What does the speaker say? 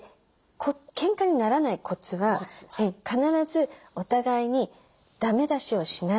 けんかにならないコツは必ずお互いにだめ出しをしない。